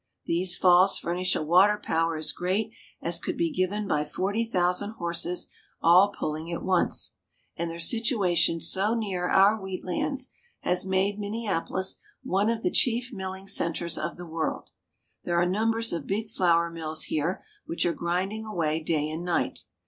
These falls furnish a water power as great as could be given by forty thou THE "TWIN CITIES." I7I sand horses all pulling at once, and their situation so near our wheat lands has made Minneapolis one of the chief milling centers of the world. There are numbers of big flour mills here which are grinding away day and night.